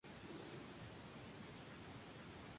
No hay mucho canto en la película.